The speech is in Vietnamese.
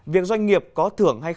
việc doanh nghiệp có thưởng hay khóa